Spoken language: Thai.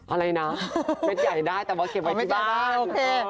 อะไรนะเม็ดใหญ่ได้แต่ว่าเก็บไว้ที่บ้านโอเค